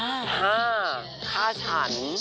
ฆ่าฆ่าฉัน